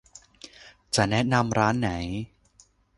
จะแนะนำร้านไหน